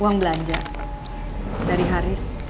uang belanja dari haris